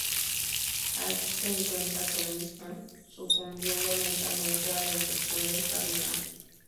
Allí, se encuentra con Eastman, sucumbiendo lentamente a la infección del caminante.